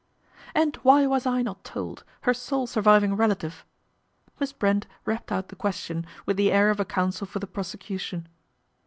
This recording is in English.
"And why was I not told, her sole surviving! relative ?" Miss Brent rapped out the question I with the air of a counsel for the prosecution.